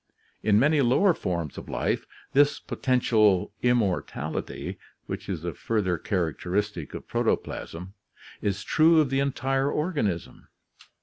In many lower forms of life this potential "immortality" which is a further characteristic of protoplasm, is true of the entire organism.